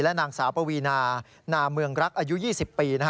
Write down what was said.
นางสาวปวีนานาเมืองรักอายุ๒๐ปี